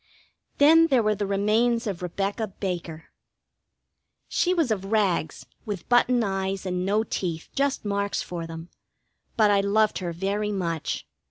Then there were the remains of Rebecca Baker. She was of rags, with button eyes and no teeth, just marks for them; but I loved her very much.